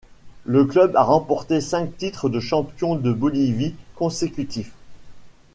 Le club a remporté cinq titres de champions de Bolivie consécutifs.